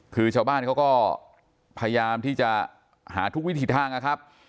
คือชาวบ้านเขาก็พยายามที่จะหาทุกวิถีทางนะครับ